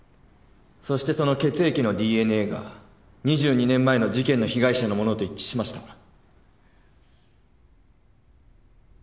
そしてその血液のＤＮＡが２２年前の事件の被害者のものと一致しました。